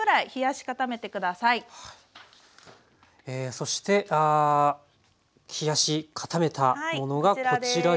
そして冷やし固めたものがこちらになります。